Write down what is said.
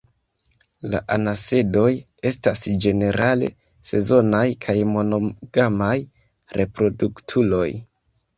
La anasedoj estas ĝenerale sezonaj kaj monogamaj reproduktuloj.